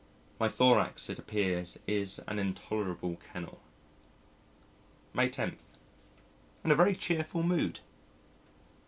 My thorax it appears is an intolerable kennel. May 10. In a very cheerful mood.